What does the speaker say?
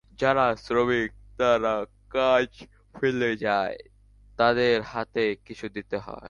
যারা শ্রমিক তারা কাজ ফেলে যায়, তাদের হাতে কিছু দিতে হয়।